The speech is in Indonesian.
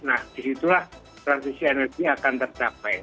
nah di situlah transisi energi akan tercapai